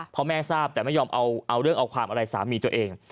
พ่อแม่ทราบแต่ไม่ยอมเอาเรื่องเอาความอะไรสามีตัวเอง